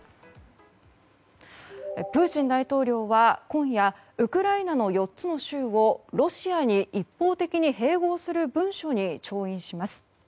プーチン大統領は今夜ウクライナの４つの州をロシアに一方的に併合する文書に調印します。